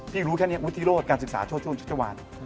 พี่รู้แค่นี้วุฒิโรธการศึกษาโชช่วงเชษฐวาล